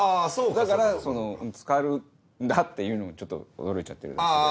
だからそのつかるんだっていうのをちょっと驚いちゃってるだけで。